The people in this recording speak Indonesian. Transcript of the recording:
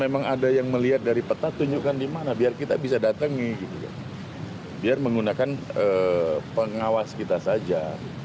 biar menggunakan pengawas kita saja